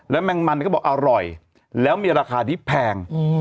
แล้วแม่มันก็บอกอร่อยแล้วมีราคาที่แพงอืม